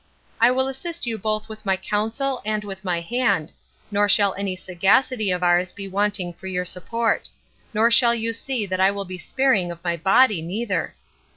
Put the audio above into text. I will assist you both with my counsel and with my hand; nor shall any sagacity of ours be wanting for your support; nor shall you see that I will be sparing of my body neither."